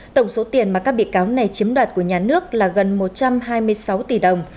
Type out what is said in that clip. tổng số tiền mà các bị cáo này chiếm đoạt của nhà nước là gần một trăm hai mươi sáu tỷ đồng